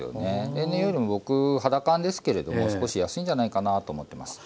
例年よりも僕肌感ですけれども少し安いんじゃないかなと思ってます。